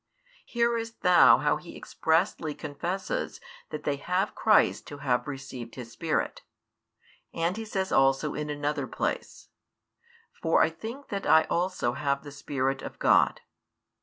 Hearest thou how he expressly confesses that they have Christ who have received His Spirit? And he says also in another place: For I think that I also have the Spirit of God.